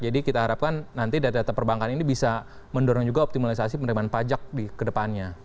jadi kita harapkan nanti data data perbankan ini bisa mendorong juga optimalisasi penerimaan pajak di kedepannya